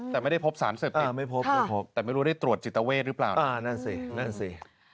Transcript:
แต่ไม่ได้พบศาลเสร็จอีกแต่ไม่รู้ได้ตรวจจิตเวทรึเปล่านะครับอ๋อนั่นสิ